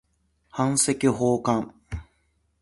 版籍奉還